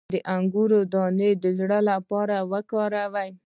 د انګور دانه د زړه لپاره وکاروئ